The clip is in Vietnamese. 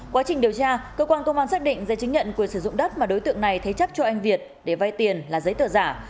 quá trình điều tra cơ quan công an xác định giấy chứng nhận quyền sử dụng đất mà đối tượng này thế chấp cho anh việt để vay tiền là giấy tờ giả